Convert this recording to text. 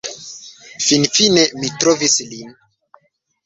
Finfine mi trovis lin